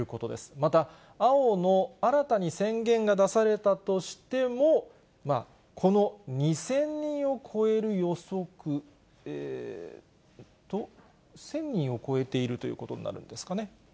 また、青の新たに宣言が出されたとしても、この２０００人を超える予測、１０００人を超えているということになるんですかね。